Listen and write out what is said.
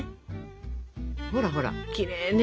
ほらほらきれいね。